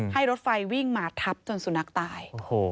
ให้รถไฟวิ่งมาทับจนสุนัขตาย